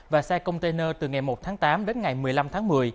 và xe container từ ngày một tháng tám đến ngày một mươi năm tháng một mươi